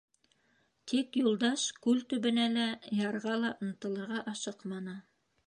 Тик Юлдаш күл төбөнә лә, ярға ла ынтылырға ашыҡманы.